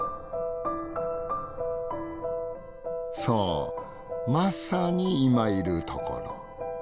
そうまさに今いるところ。